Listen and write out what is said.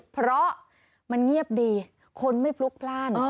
เพราะมันเงียบดีคนไม่พลุกพลาด